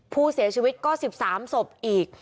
ผู้เสียชีวิตก็๑๓ศพอีก